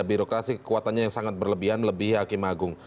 birokrasi kekuatannya yang sangat berlebihan melebihi hakim agung